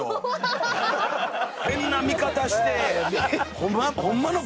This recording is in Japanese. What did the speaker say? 変な見方して。